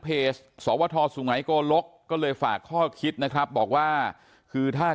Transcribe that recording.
เพจสวทศูนย์ไหนก็ลกก็เลยฝากข้อคิดนะครับบอกว่าคือถ้า